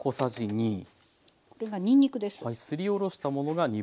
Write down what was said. これがにんにくです。